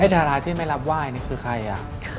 ดาราที่ไม่รับไหว้นี่คือใครอ่ะ